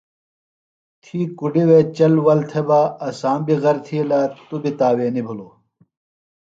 تھی کُڈیۡ وے چل ول تھےۡ بہ اسام بیۡ غر تِھیلہ توۡ بیۡ تاوینیۡ بِھلوۡ۔